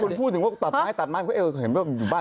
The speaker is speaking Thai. มันพูดถึงว่าตัดไม้ตัดไม้เพิ่งเห็นว่ามีบ้านนี้เยอะ